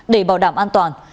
để bảo đảm an toàn